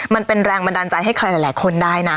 มันเป็นแรงบันดาลใจให้ใครหลายคนได้นะ